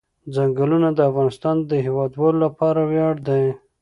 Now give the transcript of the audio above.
ځنګلونه د افغانستان د هیوادوالو لپاره ویاړ دی.